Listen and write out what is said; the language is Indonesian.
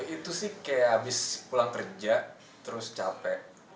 itu sih kayak habis pulang kerja terus capek